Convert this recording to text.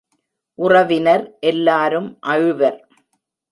உறவினர் எல்லாரும் அழுவர்.